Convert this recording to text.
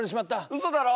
「うそだろ？」。